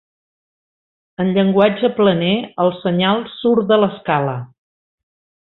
En llenguatge planer, el senyal "surt de l'escala".